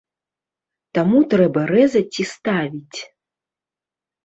Таму трэба рэзаць і ставіць.